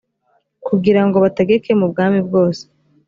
kugira ngo bategeke mu bwami bwose